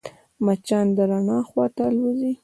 مچان د رڼا خواته الوزي